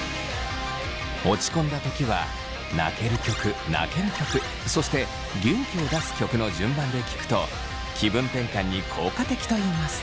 落ち込んだ時は泣ける曲泣ける曲そして元気を出す曲の順番で聴くと気分転換に効果的といいます。